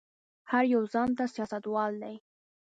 هر يو ځان ته سياستوال دی.